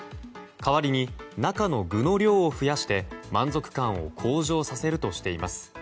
代わりに中の具の量を増やして満足感を向上させるとしています。